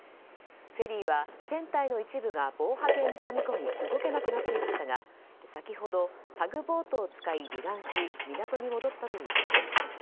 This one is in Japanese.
フェリーは船体の一部が防波堤にかみ込み動けなくなっていましたが先ほどタグボートを使い離岸し港に戻ったということです。